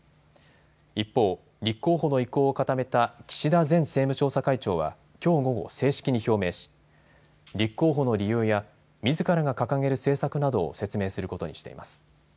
一方、立候補の意向を固めた岸田前政務調査会長はきょう午後正式に表明し立候補の理由やみずからが掲げる政策などを説明することにしています。